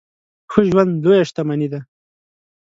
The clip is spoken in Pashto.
ښه ژوند لويه شتمني ده.